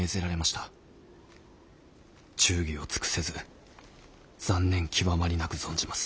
忠義を尽くせず残念極まりなく存じます。